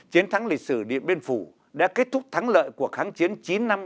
chiến thắng lịch sử điện biên phủ đã kết thúc thắng lợi cuộc kháng chiến chín năm